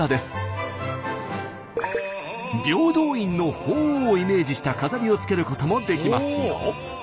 平等院の鳳凰をイメージした飾りをつけることもできますよ。